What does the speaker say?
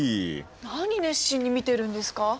何熱心に見てるんですか？